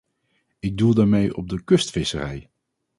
Ik doel daarmee op de kustvisserij.